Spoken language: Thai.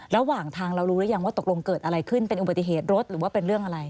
ระหว่างทางเรารู้หรือยังว่าตกลงเกิดอะไรขึ้นเป็นอุบัติเหตุรถหรือว่าเป็นเรื่องอะไร